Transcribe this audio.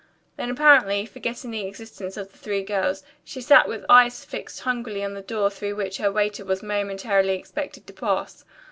Then, apparently forgetting the existence of the three girls, she sat with eyes fixed hungrily on the door through which her waiter was momentarily expected to pass.